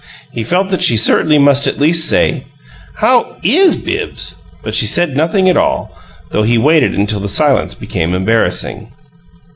He felt that she certainly must at least say, "How IS Bibbs?" but she said nothing at all, though he waited until the silence became embarrassing.